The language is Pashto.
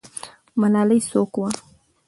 ملالۍ څوک وه؟